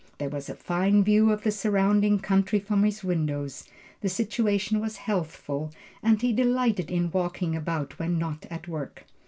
There was a fine view of the surrounding country from his windows, the situation was healthful, and he delighted in walking about when not at work.